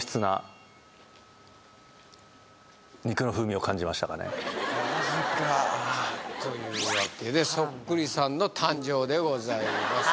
はっマジかというわけでそっくりさんの誕生でございます